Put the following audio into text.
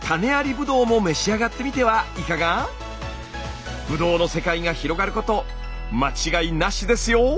ブドウの世界が広がること間違いなしですよ！